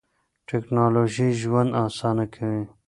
ټکنالوژي ژوند اسانه کوي.